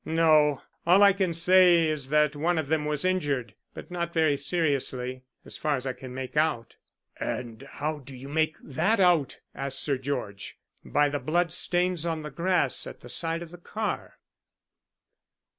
"No. All I can say is that one of them was injured, but not very seriously, as far as I can make out." "And how do you make that out?" asked Sir George. "By the blood stains on the grass at the side of the car."